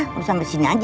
harus sampai sini aja